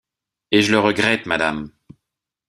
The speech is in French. Et je le regrette, madame!